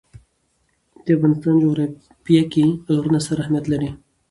د افغانستان جغرافیه کې غرونه ستر اهمیت لري.